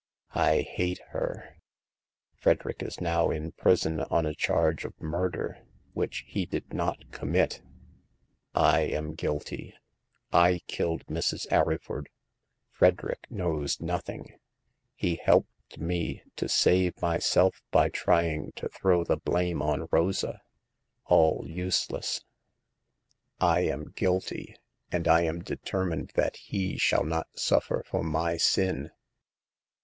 I hate her ! Frederick is now in prison on a charge of murder, which he did not commit. I am guilty. I killed Mrs. Arryford. Frederick knows nothing. He helped me to save myself by trying to throw the blame on Rosa. All use less. I am guilty, and I am determined that he shall not suffer for my sin.